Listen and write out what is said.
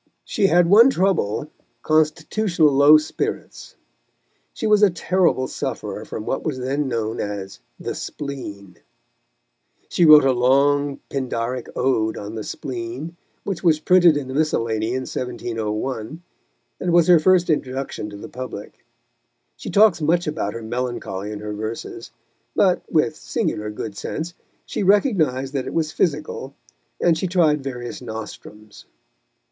She had one trouble, constitutional low spirits: she was a terrible sufferer from what was then known as "The Spleen." She wrote a long pindaric Ode on the Spleen, which was printed in a miscellany in 1701, and was her first introduction to the public. She talks much about her melancholy in her verses, but, with singular good sense, she recognised that it was physical, and she tried various nostrums.